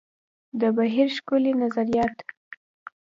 د بهیر ښکلي نظریات.